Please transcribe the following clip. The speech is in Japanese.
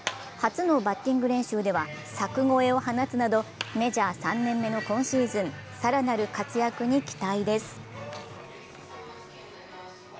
初のバッティング練習では柵越えを放つなどメジャー３年目の今シーズン、更なる活躍に期待です。